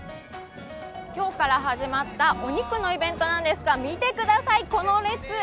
今日から始まったお肉のイベントなんですが見てください、この列。